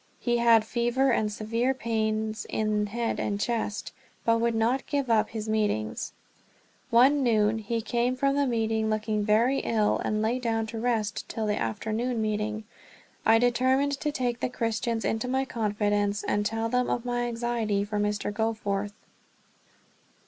He had fever and severe pains in head and chest, but would not give up his meetings. One noon he came from the meeting looking very ill, and lay down to rest till the afternoon meeting. I determined to take the Christians into my confidence, and tell them of my anxiety for Mr. Goforth.